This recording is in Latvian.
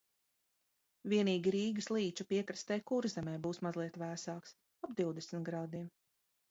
Vienīgi Rīgas līča piekrastē Kurzemē būs mazliet vēsāks – ap divdesmit grādiem.